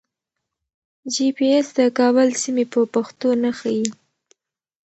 جي پي ایس د کابل سیمې په پښتو نه ښیي.